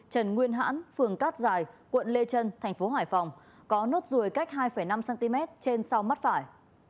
trần nguyên hãn phường cát dài quận lê trân thành phố hải phòng có nốt ruồi cách hai năm cm trên sau mắt phải